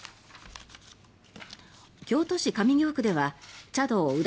京都市上京区では茶道裏